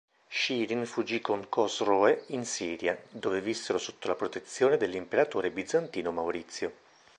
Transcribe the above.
Shirin fuggì con Cosroe in Siria, dove vissero sotto la protezione dell'imperatore bizantino Maurizio.